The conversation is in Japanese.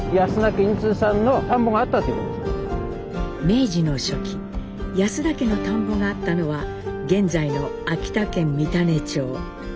明治の初期安田家の田んぼがあったのは現在の秋田県三種町。